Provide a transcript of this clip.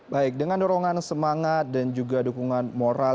baik dengan dorongan semangat dan juga dukungan moral